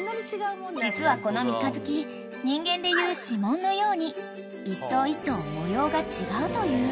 ［実はこの三日月人間でいう指紋のように一頭一頭模様が違うという］